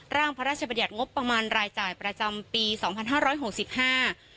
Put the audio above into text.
ร่างพระราชบัญญัติงบประมาณรายจ่ายประจำปีสองพันห้าร้อยหกสิบห้า